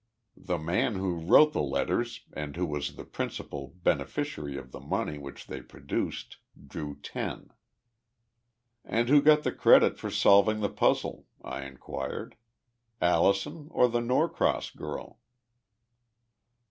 The man who wrote the letters and who was the principal beneficiary of the money which they produced, drew ten." "And who got the credit for solving the puzzle?" I inquired. "Allison or the Norcross girl?"